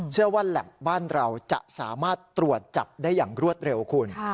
แหลปบ้านเราจะสามารถตรวจจับได้อย่างรวดเร็วคุณ